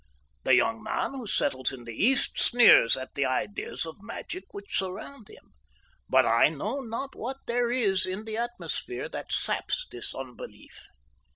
The young man who settles in the East sneers at the ideas of magic which surround him, but I know not what there is in the atmosphere that saps his unbelief.